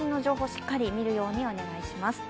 しっかり見るようにお願いします。